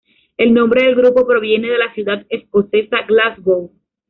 El nombre del grupo proviene de la ciudad escocesa Glasgow.